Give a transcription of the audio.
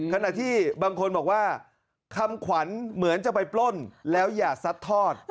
ขณะที่บางคนบอกว่าคำขวัญเหมือนจะไปปล้นแล้วอย่าซัดทอด